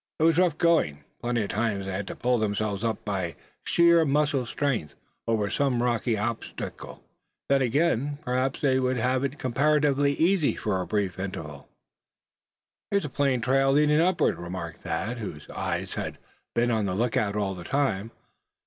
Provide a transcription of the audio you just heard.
It was rough going. Plenty of times they had to pull themselves up by main muscular strength, over some rocky obstruction. Then again, perhaps they would have it comparatively easy for a brief interval. "Here's a plain trail leading upward," remarked Thad, whose eyes had been on the lookout all the time.